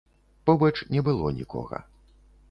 Побач не было нікога.